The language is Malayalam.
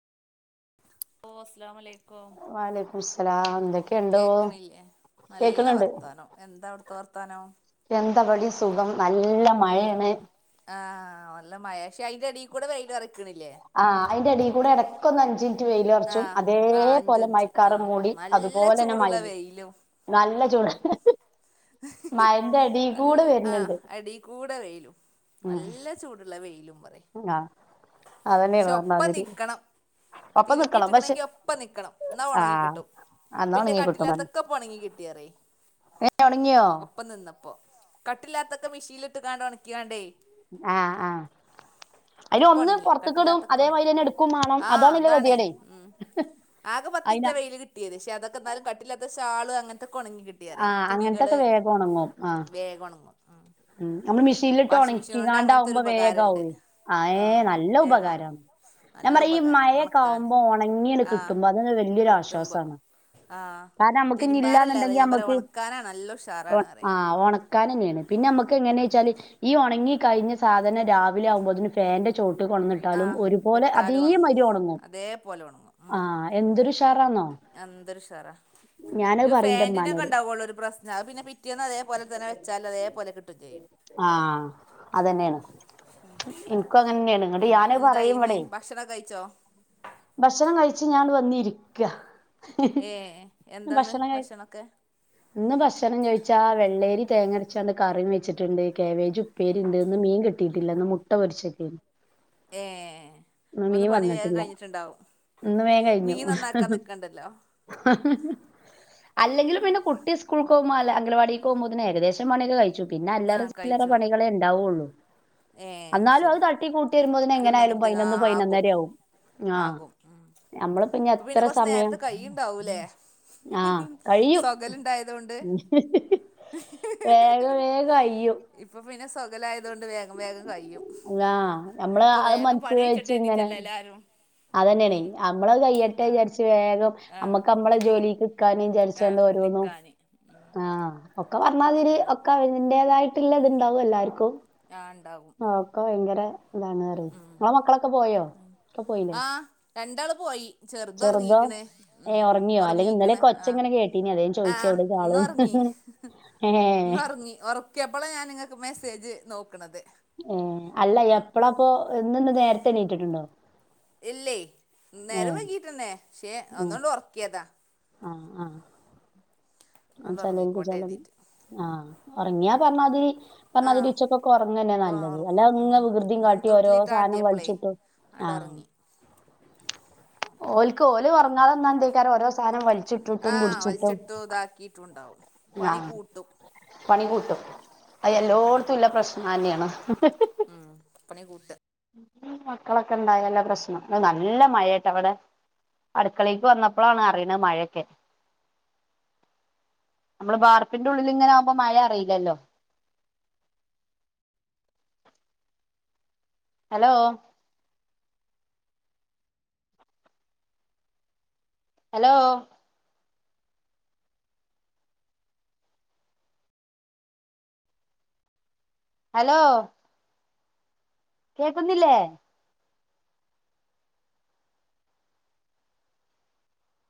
ഓ അസ്‌ലാമലയ് ക്കു വാലൈക്കും സ്ലാം എന്തൊക്കെയുണ്ടോ കേക്ണില്ലേ നല്ല കേൾക്കണണ്ട് വർത്തനം എന്താ അവിടെത്തെ വർത്താനോ എന്തവടിം സുഖം നല്ല മഴയാണ് ആഹ് നല്ല മയാ ശേ അയിന്റെ ടീകൂടെ വെയിലു അറക്കണില്ലേ ആഹ് അയ്ന്റെറെ ടീകൂടെ ഇടക്കൊ ഒന്നഞ്ചിൻ റ്റ് വെയിലറച്ചും ആഹ് അതേ ആഹ് അഞ്ച് പോലെ മിനിറ്റ് മയക്കാറും ആഹ് മൂടി നല്ല അതുപോലെ തന്നെ മൈ ചൂടുള്ള വെയിലും നല്ല ചൂട മയന്റെ അടി നല്ല കൂടെ ആഹ് വരുന്നുണ്ട് എടീ കൂടെ വെയിലും ഉം നല്ല ചൂടുള്ള വെയിലും പറി ആ അതന്നെയാണ് ക്ഷെ ഒപ്പം പറഞ്ഞമാതിരി നിക്കണം ഒപ്പം നിക്കണം പക്ഷെ തിരുമ്പിട്ടിക്കണങ്കി ഒപ്പ നിക്കണം എന്നാ ആ ഉണങ്ങി കിട്ടും അന്നാ പിന്റെ ഉണങ്ങി കട്ടില്ലാത്തൊക്കെ പ്പണങ്ങി കിട്ടീ അറ്യേ ഏഹ് ഒണങ്ങിയോ ഒപ്പം നിന്നപ്പോ കട്ടില്ലാത്തൊക്കെ മെഷീനിലിട്ട്കാണ്ട് ഒൺക്യാണ്ടേ ആഹ് ആഹ് അയ്ന് ഇപ്പൊക്കെ ഒന്ന് ഒണങ്ങി പുറത്കിടും കട്ടില്ലാത്തൊക്കെ ഒണങ്ങി അതേമാതിരിന്നെ എടുക്കും മാണം ആഹ് അതാണല്ലോ അതാണേ കേതിയെടെ ഉം ആകെ പത്തിന്റെ വെയില് കിട്ടിയത് ക്ഷെ അതൊക്കെ ന്നാലും കട്ടില്ലാത്തഷാള് അങ്ങൻത്തെക്ക ഒൺങ്ങികി ട്ടി ആ അറ്യെ തുണികള് അങ്ങനത്തൊക്കെ വേഗം ഉണങ്ങും ആ വേഗം ഒണങ്ങു ഉം ഒന്ന് മിഷ് ശീല്ലിട്ട് ഒരു ഉണക്കികാണ്ടാവുമ്പോ ഉപകാരണ്ട് വേഗാവേ ആഹ് ഏഹ് നല്ല ഉപകാരാണ് ഞാൻ നല്ല പറയാ ഈ ഉപകാരം ഒണക്കാന് മഴൊക്കാവുമ്പോ ഉണങ്ങിയട് ആഹ് കിട്ടുമ്പോ അതന്നെ വല്ല്യോരു കിട്ടുമ്പോ ആശ്വാസാണ് ആഹ് കാരണം നമ്മുക്ക് ഇനി തിരുമ്പാനല്ല പറയാ ഇല്ലാന്നുണ്ടെങ്കി ഞാൻ പറയാ നമ്മുക്ക് ഒണക്കാനാണ് നല്ല ഉഷാറാണ് പറയാ ആഹ് ഓണ കാനെന്നെണ് പിന്നെ നമുക്ക് ങ്ങനെച്ചാല് ഈ ഉണങ്ങി കഴിഞ്ഞ സാധന രാവിലെ ആകുമ്പോതിന് ഫേന്റെ ചോട്ട് കൊട്ന്നിട്ടാലും ആഹ് ഒരുപോലെ അതേ ഇട്ടാലും ഒണങ്ങും മാരി ഉണങ്ങും അതേപോലെ ആഹ് എന്തൊരു ഷാറാണോ എന്തരുഷാറാ രു പറയും ന്റെ ഫാൻറിനൊക്കെ ഉമ്മാനോട് ണ്ടാവുള്ളൂ ഒരു പ്രശ്നം അത് പിന്നെ പിറ്റേന്ന് അതേപോലെ തന്നെ ച്ചാലതേപോലെ കിട്ടും ചെയ്യും. ആ അതന്നെയാണ് എനിക്കും അങ്ങനെന്നെയാണ് ഇങ്ങട്ട് പിന്നെ ഞാനത് പറയും എന്തായിന്നെ ഇവിടെയ് ഭക്ഷണൊക്കഴിച്ചോ? ഭക്ഷണം കഴിച്ച് ഞാൻട് വന്നിരിക്ക. ഏഹ് ഏഹ് എന്താന്ന് ഭക്ഷണം കഴി ഭക്ഷണൊക്കെ? ഇന്ന് ഭക്ഷണം ചോയിച്ചാ വെള്ളേരി തേങ്ങരച്ചാണ്ട് കറിം വെച്ചിട്ട്ണ്ട് കേബേജു പ്പേരിണ്ട് ഇന്ന് മീൻ കിട്ടിയിട്ടില്ല ന്ന് മുട്ട പൊരിച്ചക്കെയ്ന്. ഏഹ് അപ്പൊന്ന് പണി വേഗം കഴിഞ്ഞിട്ടുണ്ടാവും. ഇന്ന് വേം കഴിഞ്ഞു മീന്നന്നാക്കാ നിക്കണ്ടല്ലോ. അല്ലെങ്കിലും പിന്നെ കുട്ടി സ്കൂൾക്ക് പോകുമ്പ ല്ല അംഗലവാടിക്കോകുമ്പത്തിന് ഏകദേശ ന് പണിക്കെ കഴിച്ചു. പിന്നെ ആ അല്ലറ ചില്ലറ കഴിച്ചു പണികളെ ണ്ടാവൊള്ളു. ഏ അന്നാലും അത് ശരി തട്ടി കൂട്ടി കിള്ളും വരുമ്പോത്തിനെങ്ങനായാലും കൃതി ആ പയിനൊന്ന് ആകും പയിനൊന്നരാവും. ആ ആകും ഉം. നമ്മളിപ്പഞ്ഞ് ഇപ്പൊ പിന്നെ എത്ര കുറച്ച് സമയം നേരത്തെ കൈയുണ്ടാവൂലേ ആ കഴിയും. സൊകലുണ്ടായതുകൊണ്ട് വേഗ വേഗയ്യും. ഇപ്പൊ പിന്നെ സ്വഖലയതോണ്ട് വേഗം വേഗം കഴിയും. ല്ലാ നമ്മള് ഇപ്പൊ അഅ് വേഗം മനസ്സിൽ പണിയച്ചിട്ട് വെച്ച്ങ്ങനെ എഴുതിട്ടല്ല എല്ലാരും അതന്നേണ് അമ്മളത് ആഹ് കയ്യട്ടെചാരിച്ച് വേഗം ആഹ് അമ്മക്ക് അമ്മള നിക്കും ജോലി ക്കാനിം ആഹ് ജാര്ച്ചാണ്ട് ഓരോന്നും നിക്കാന് ഉം ആ ഒക്കെ പറഞ്ഞാതിരി അതന്നെ ഒക്കെ അതിന്റേതായിട്ടുള്ള ഇത്ണ്ടാവും എല്ലാര്ക്കും. ആണ്ടാവും. ഒക്കെ ഭയങ്കര ഇതാണറി ഇങ്ങളെ മക്കളൊക്കെ പോയോ? ഒക്കെ പോയില്ലേ? ആ രണ്ടാള് പോയി ചെറുത് ചെറുതോ? ഒറങ്ങീക്ണ് ഏഹ് ഉം ഒറങ്ങിയോ? അല്ലെങ്കി ഒറങ്ങീക്ണ് ഇന്നലെയൊക്കെ ഒച്ച ആ ഇങ്ങനെ കേട്ടീനി അതാ ഞാൻ ആ ചോയിച്ചേ എവിടേക്കാ ആള്ന്ന്. ന്നൊർങ്ങി ഏഹ് ന്നൊർങ്ങി ഒർ ക്കിപ്പളാ ഞാൻ നിങ്ങക്ക് മെസ്സേജ് നോക്ക്ണത് ഏ അല്ല എപ്പളാപ്പൊ ഇന്ന്ണ്ട് നേരത്തെണീറ്റിട്ടുണ്ടോ? ഇല്ലേയ് നേരം വൈകീട്ടന്നെ ക്ഷെ ഉം ഒന്നട് ഒറ്ക്കിയ്യതാ. ആഹ് ആഹ് ആണ്ട് ചലഞ്ച് ഒറങ്ങിക്കോട്ടെ ചലം കരുതീട്ട് ആ ഒർങ്ങിയാ പറഞ്ഞാതിരി ആഹ് പറഞ്ഞാതിരി ഉച്ചക്കൊക്കെ ഒർങ്ങന്നെ നല്ലത്. ഒറങ്ങും ഉം അല്ലാതെങ്ങ വികൃതിം കാട്ടി ഓരോ സാനം വൽച്ചിട്ടും ആണ്ടോർങ്ങി. ഓല്ക്ക് ഓല് ഒറങ്ങാത് ന്നാ എന്തയ്ക്കാരം ഓരോ സാനം വലിച്ചി ആ വലിച്ചിട്ടു താക്കിട്ടുണ്ടാവും. ആ പണി കൂട്ടും അയ് ഉം പണി എല്ലോട്ത്തുല്ല കൂട്ടും പ്രശ്ണന്നേണ്. ഉം പണി കൂട്ട ഇ മക്കളൊക്കണ്ടായാല പ്രശ്നം. അയ് നല്ല മഴായാട്ട വിടെ. അടുക്കളീക്ക് വന്നപ്പളാണ് അറിണ് മഴയൊക്കെ. നമ്മള് ബാർപ്പിൻ്റുള്ളില്ങ്ങനെ ആവുമ്പോ മഴ അറിയില്ലല്ലോ. ഹലോ ഹലോ ഹലോ കേക്കുന്നില്ലേ?